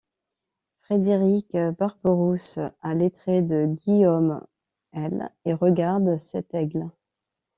Frédéric Barberousse a les traits de Guillaume I et regarde cet aigle.